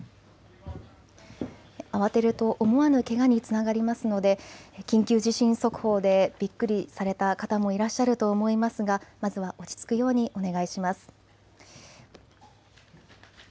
慌てると思わぬけがにつながりますので、緊急地震速報でびっくりされた方もいらっしゃると思いますが、まずは落ち着くようにお願いします。